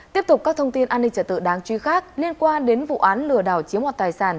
tiếp tục các thông tin an ninh trợ tự đáng truy khác liên quan đến vụ án lừa đảo chiếm hoạt tài sản